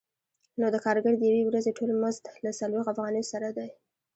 نو د کارګر د یوې ورځې ټول مزد له څلوېښت افغانیو سره دی